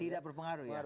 tidak berpengaruh ya